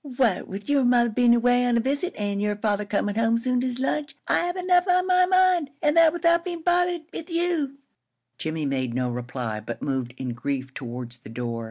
What with your mother bein' away on a visit, an' your father comin' home soon to his lunch, I have enough on my mind an' that without being bothered with you!" Jimmie made no reply, but moved in grief towards the door.